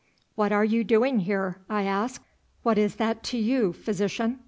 "What are you doing here?" I asked. "What is that to you, Physician?"